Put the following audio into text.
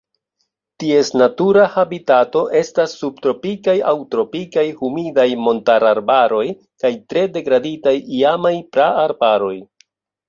Ties natura habitato estas subtropikaj aŭ tropikaj humidaj montararbaroj kaj tre degraditaj iamaj praarbaroj.